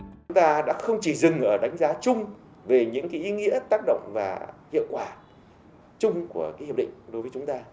chúng ta đã không chỉ dừng ở đánh giá chung về những ý nghĩa tác động và hiệu quả chung của hiệp định đối với chúng ta